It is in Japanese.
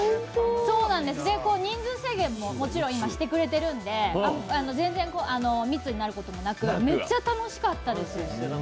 人数制限も、もちろん今してくれているんで、全然密になることもなく、めっちゃ楽しかったです。